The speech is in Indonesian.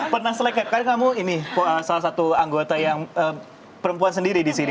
pernah selekap karena kamu ini salah satu anggota yang perempuan sendiri di sini